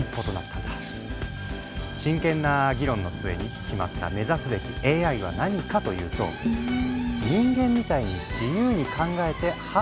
真剣な議論の末に決まった目指すべきＡＩは何かというと「人間みたいに自由に考えて判断ができる」